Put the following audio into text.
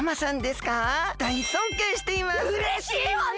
うれしいわね！